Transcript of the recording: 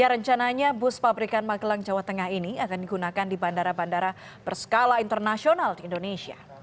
rencananya bus pabrikan magelang jawa tengah ini akan digunakan di bandara bandara berskala internasional di indonesia